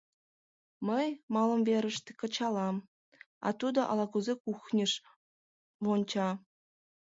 Мый малымверыште кычалам, а тудо ала-кузе кухньыш вонча.